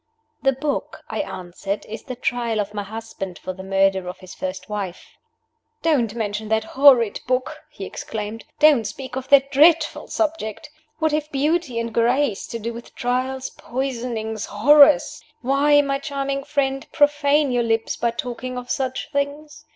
"The book," I answered, "is the Trial of my husband for the murder of his first wife." "Don't mention that horrid book!" he exclaimed. "Don't speak of that dreadful subject! What have beauty and grace to do with Trials, Poisonings, Horrors? Why, my charming friend, profane your lips by talking of such things?